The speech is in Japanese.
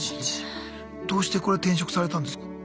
どうしてこれ転職されたんですか？